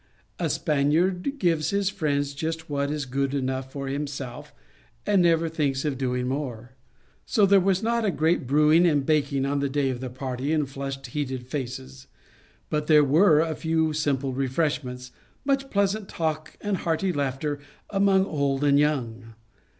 A Spaniard gives his friends just what is good enough for himself, and never thinks of doing more. So there was not a great brewing and baking on the day of the party, and flushed, heated faces; but there were a few simple refreshments, much pleas ant talk and hearty laughter among old and young.